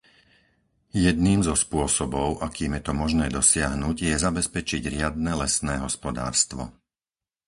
Jedným zo spôsobov, akým je to možné dosiahnuť je zabezpečiť riadne lesné hospodárstvo.